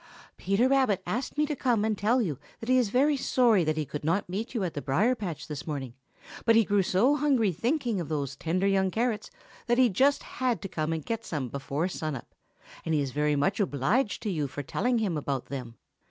"Peter Rabbit asked me to come and tell you that he is very sorry that he could not meet you at the Briar patch this morning, but that he grew so hungry thinking of those tender young carrots that he just had to come and get some before sun up, and he is very much obliged to you for telling him about them.